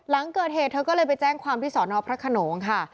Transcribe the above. หลังเกิดเหตุเธอก็เลยไปแจ้งความที่สอนอพระขนงค่ะ